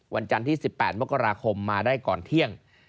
วันจันทร์ที่๑๘มกราคมมาได้ก่อนเที่ยง